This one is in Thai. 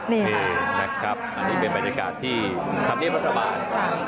นี่ครับนี่เป็นบรรยากาศที่ทัพเรียนรัฐบาล